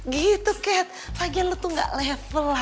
gitu cat lagi lu tuh gak level